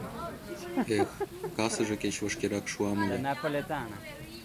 — Эх, касыже кеч вашкерак шуам ыле...